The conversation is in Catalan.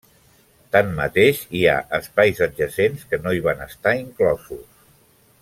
Tanmateix, hi ha espais adjacents que no hi van estar inclosos.